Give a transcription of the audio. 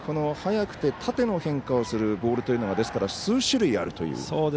早くて縦の変化をするボールというのは数種類あるという。